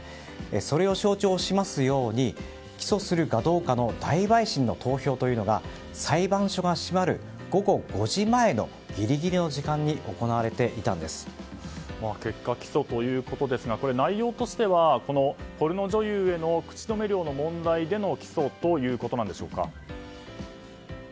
それを象徴するように起訴するかどうかの大陪審の投票というのが裁判所が閉まる午後５時前のギリギリの時間に結果、起訴ということですが内容としては、ポルノ女優への口止め料の問題での起訴ということなんでしょうか。